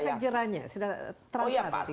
ada efek jerahnya sudah terasa atau tidak